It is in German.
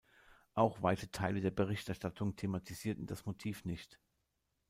Auch weite Teile der Berichterstattung thematisierten das Motiv nicht.